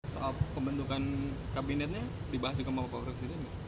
soal pembentukan kabinetnya dibahas dengan bapak presiden